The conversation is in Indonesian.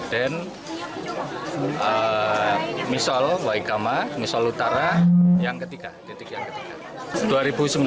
dan misol waigama misol utara yang ketiga